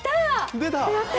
出た。